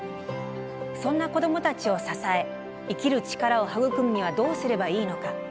そんな子どもたちを支え生きる力を育むにはどうすればいいのか。